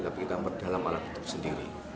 tapi kita mendapatkan alat bukti sendiri